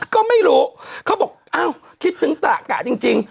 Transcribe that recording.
ก็ไม่รู้เขาบอกอ้าวคิดถึงตะกะจริง